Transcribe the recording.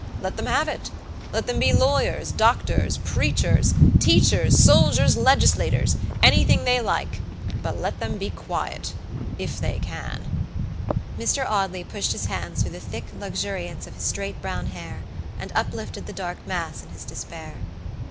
Let them have it. Let them be lawyers, doctors, preachers, teachers, soldiers, legislatorsanything they likebut let them be quietif they can." Mr. Audley pushed his hands through the thick luxuriance of his straight brown hair, and uplifted the dark mass in his despair.